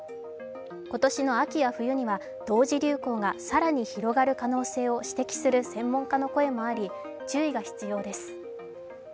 今年の秋や冬には同時流行が更に広がる可能性を指摘する専門家の声もあり、注意が必要です。